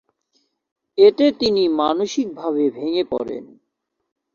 এতে তিনি মানসিকভাবে ভেঙ্গে পরেন।